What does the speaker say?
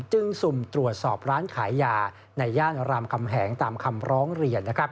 สุ่มตรวจสอบร้านขายยาในย่านรามคำแหงตามคำร้องเรียน